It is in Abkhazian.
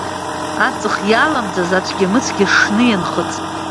Аҵх иаламӡаз ацәгьа-мыцәгьа шны ианхыҵ…